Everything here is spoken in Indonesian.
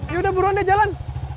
yaudah buruan deh jalan